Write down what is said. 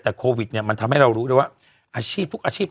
แต่โควิดเนี่ยมันทำให้เรารู้ได้ว่าอาชีพทุกอาชีพ